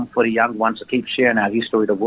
untuk orang muda untuk berbagi kisah kisah kita